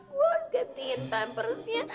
gue harus gantiin pampersnya